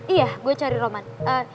iya gue cari roman